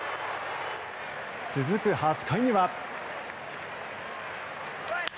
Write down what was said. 続く８回には。